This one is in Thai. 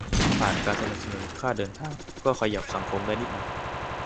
ผ่านการสนับสนุนค่าเดินทาง ก็ขยับสังคมได้นิดหน่อย